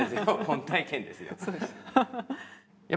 本体験ですよ。